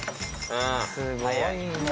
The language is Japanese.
すごいね。